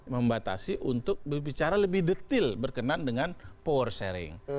membatasi untuk berbicara lebih detail berkenan dengan power sharing